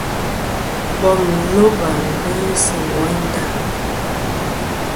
Bom loba ghɨ sɨ woynda.